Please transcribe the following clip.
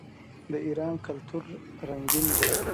د ایران کلتور رنګین دی.